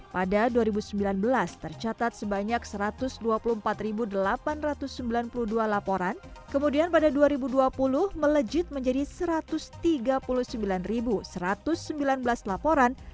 pada dua ribu sembilan belas tercatat sebanyak satu ratus dua puluh empat delapan ratus sembilan puluh dua laporan kemudian pada dua ribu dua puluh melejit menjadi satu ratus tiga puluh sembilan satu ratus sembilan belas laporan